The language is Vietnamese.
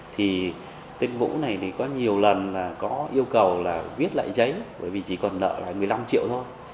thì tên vũ này thì có nhiều lần là có yêu cầu là viết lại giấy bởi vì chỉ còn nợ lại một mươi năm triệu thôi